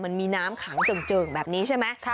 มันมีน้ำขังเจิ่งแบบนี้ใช่ไหม